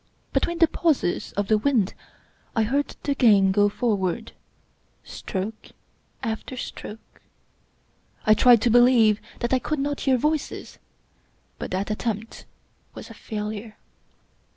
Between the pauses of the wind I heard the game go forward — stroke after stroke. I tried to believe that I could not hear voices ; but that attempt was a failure.